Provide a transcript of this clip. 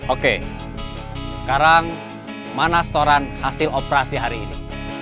oke sekarang mana setoran hasil operasi hari ini